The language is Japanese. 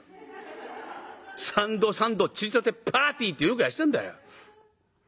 三度三度ちりとてパーティーってよくやってたんだよ。